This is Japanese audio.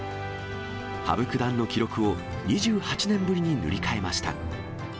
羽生九段の記録を２８年ぶりに塗り替えました。